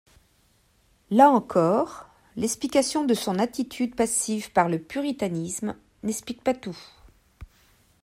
Là encore, l'explication de son attitude passive par le puritanisme n'explique pas tout.